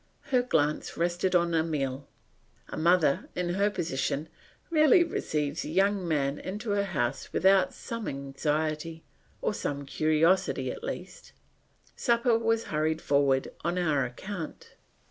Her glance rested on Emile. A mother, in her position, rarely receives a young man into her house without some anxiety or some curiosity at least. Supper was hurried forward on our account.